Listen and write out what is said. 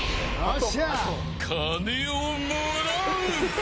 金をもらう。